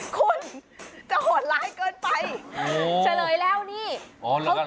ไม่ใช่คุณจะห่วงแรกเกินไปโอ้เฉลยแล้วนี่อ๋อจากนั้น